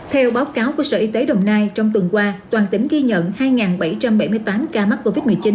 theo báo cáo của sở y tế đồng nai trong tuần qua toàn tỉnh ghi nhận hai bảy trăm bảy mươi tám ca mắc covid một mươi chín